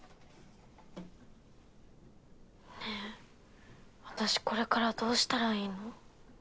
ねえ私これからどうしたらいいの？